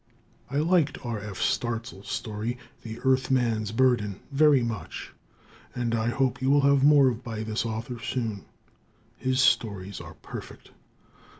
I liked R. F. Starzl's story, "The Earthman's Burden," very much, and I hope you will have more by this author soon. His stories are perfect.